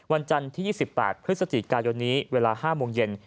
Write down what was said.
วันจันทร์ที่๒๘พฤศจิกายนนี้เวลา๕โมงเย็น